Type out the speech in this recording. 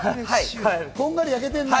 こんがり焼けてるね。